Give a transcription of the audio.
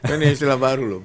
kan istilah baru lho